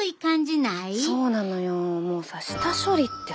そうなのよ